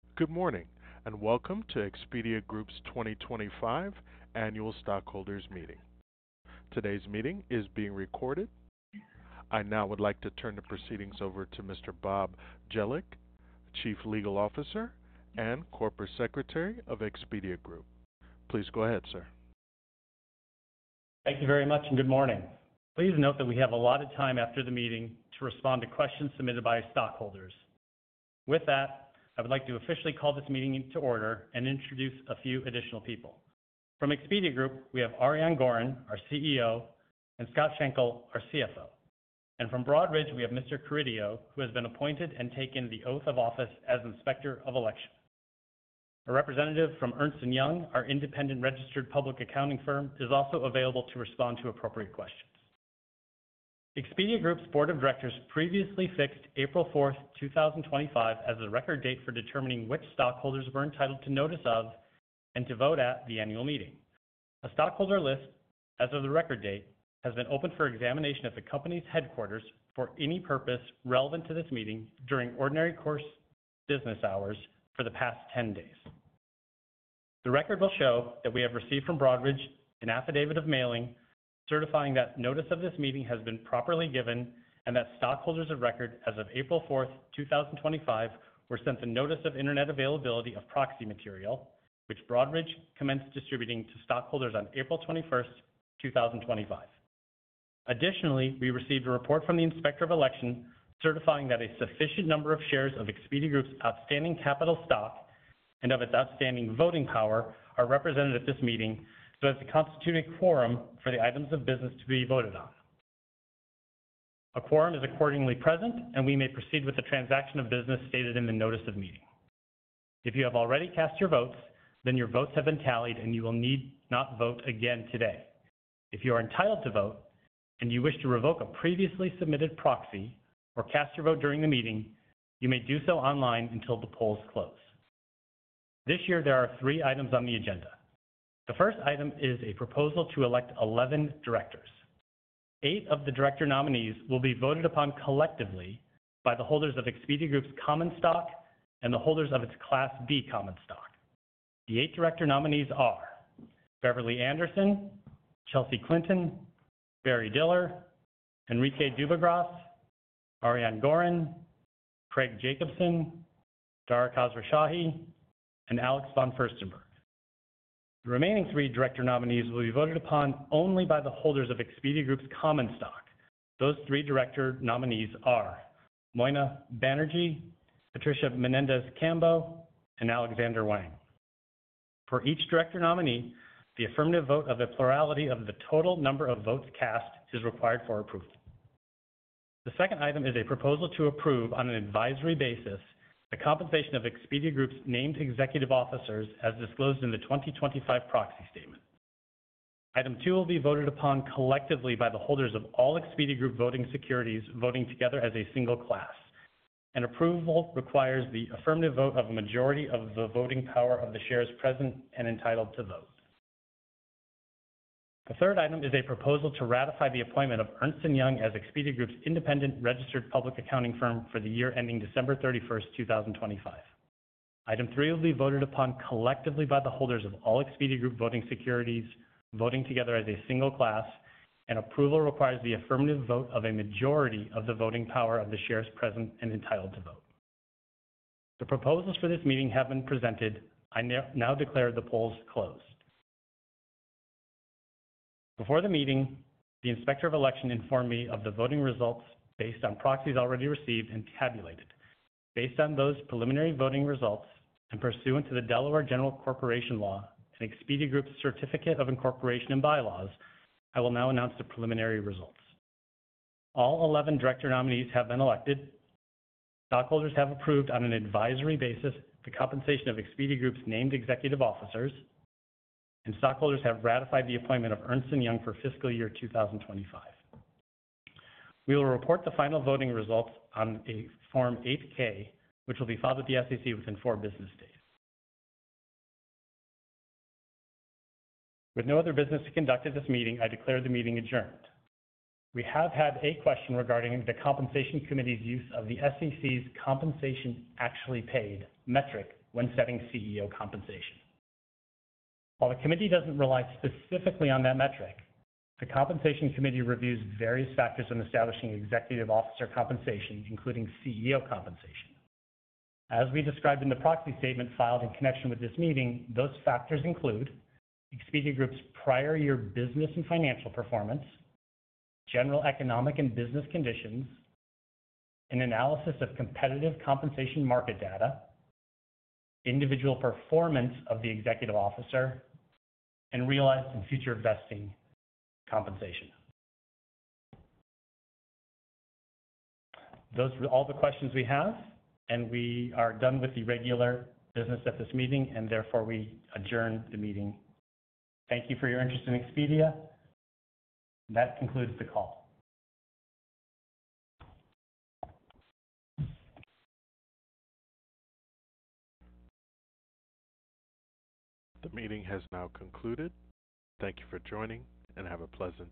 Good morning, and welcome to Expedia Group's 2025 Annual Stockholders' Meeting. Today's meeting is being recorded. I now would like to turn the proceedings over to Mr. Bob Jelic, Chief Legal Officer and Corporate Secretary of Expedia Group. Please go ahead, sir. Thank you very much, and good morning. Please note that we have a lot of time after the meeting to respond to questions submitted by stockholders. With that, I would like to officially call this meeting to order and introduce a few additional people. From Expedia Group, we have Ariane Gorin, our CEO, and Scott Schenkel, our CFO. From Broadridge, we have Mr. Caridio, who has been appointed and taken the oath of office as Inspector of Elections. A representative from Ernst & Young, our independent registered public accounting firm, is also available to respond to appropriate questions. Expedia Group's Board of Directors previously fixed April 4th, 2025, as the record date for determining which stockholders were entitled to notice of and to vote at the annual meeting. A stockholder list, as of the record date, has been opened for examination at the company's headquarters for any purpose relevant to this meeting during ordinary course business hours for the past 10 days. The record will show that we have received from Broadridge an affidavit of mailing certifying that notice of this meeting has been properly given and that stockholders of record, as of April 4th, 2025, were sent the notice of internet availability of proxy material, which Broadridge commenced distributing to stockholders on April 21st, 2025. Additionally, we received a report from the Inspector of Elections certifying that a sufficient number of shares of Expedia Group's outstanding capital stock and of its outstanding voting power are represented at this meeting so as to constitute a quorum for the items of business to be voted on. A quorum is accordingly present, and we may proceed with the transaction of business stated in the notice of meeting. If you have already cast your votes, then your votes have been tallied, and you need not vote again today. If you are entitled to vote and you wish to revoke a previously submitted proxy or cast your vote during the meeting, you may do so online until the polls close. This year, there are three items on the agenda. The first item is a proposal to elect 11 directors. Eight of the director nominees will be voted upon collectively by the holders of Expedia Group's common stock and the holders of its Class B common stock. The eight director nominees are Beverly Anderson, Chelsea Clinton, Barry Diller, Henrique Duvigros, Ariane Gorin, Craig Jacobson, Dara Khosrowshahi, and Alex von Furstenberg. The remaining three director nominees will be voted upon only by the holders of Expedia Group's common stock. Those three director nominees are Moina Banerjee, Patricia Menendez-Cambo, and Alexander Wang. For each director nominee, the affirmative vote of a plurality of the total number of votes cast is required for approval. The second item is a proposal to approve on an advisory basis the compensation of Expedia Group's named executive officers, as disclosed in the 2025 proxy statement. Item two will be voted upon collectively by the holders of all Expedia Group voting securities voting together as a single class. An approval requires the affirmative vote of a majority of the voting power of the shares present and entitled to vote. The third item is a proposal to ratify the appointment of Ernst & Young as Expedia Group's independent registered public accounting firm for the year ending December 31st, 2025. Item three will be voted upon collectively by the holders of all Expedia Group voting securities voting together as a single class. An approval requires the affirmative vote of a majority of the voting power of the shares present and entitled to vote. The proposals for this meeting have been presented. I now declare the polls closed. Before the meeting, the Inspector of Elections informed me of the voting results based on proxies already received and tabulated. Based on those preliminary voting results and pursuant to the Delaware General Corporation Law and Expedia Group's Certificate of Incorporation and Bylaws, I will now announce the preliminary results. All 11 director nominees have been elected. Stockholders have approved on an advisory basis the compensation of Expedia Group's named executive officers, and stockholders have ratified the appointment of Ernst & Young for fiscal year 2025. We will report the final voting results on a Form 8-K, which will be filed with the SEC within four business days. With no other business conducted at this meeting, I declare the meeting adjourned. We have had a question regarding the compensation committee's use of the SEC's compensation actually paid metric when setting CEO compensation. While the committee doesn't rely specifically on that metric, the compensation committee reviews various factors in establishing executive officer compensation, including CEO compensation. As we described in the proxy statement filed in connection with this meeting, those factors include Expedia Group's prior year business and financial performance, general economic and business conditions, an analysis of competitive compensation market data, individual performance of the executive officer, and realized and future vesting compensation. Those were all the questions we have, and we are done with the regular business at this meeting, and therefore we adjourn the meeting. Thank you for your interest in Expedia Group. That concludes the call. The meeting has now concluded. Thank you for joining, and have a pleasant day.